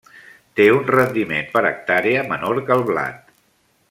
Té un rendiment per hectàrea menor que el blat.